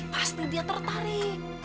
pasti dia tertarik